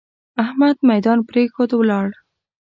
احمد ميدان پرېښود؛ ولاړ.